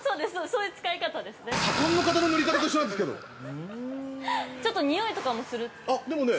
そういう使い方ですね。